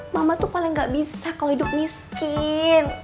mama tuh paling gak bisa kalau hidup miskin